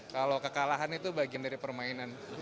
kalau kekalahan itu bagian dari permainan